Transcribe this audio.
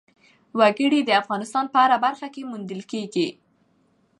وګړي د افغانستان په هره برخه کې موندل کېږي.